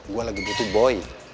gue lagi butuh boy